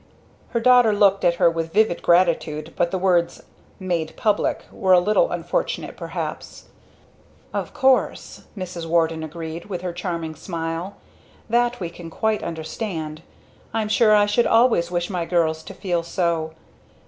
Her daughter looked at her with vivid gratitude, but the words "made public" were a little unfortunate perhaps. "Of course," Mrs. Warden agreed, with her charming smile, "that we can quite understand. I'm sure I should always wish my girls to feel so.